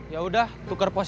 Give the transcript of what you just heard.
yaudah tukar posisi